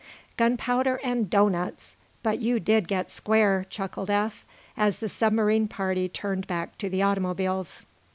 "Gunpowder and doughnuts! But you did get square," chuckled Eph, as the submarine party turned back to the automobiles.